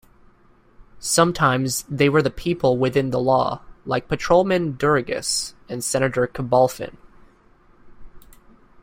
Sometimes they were the people within the law, like Patrolman Durugas and Senator Cabalfin.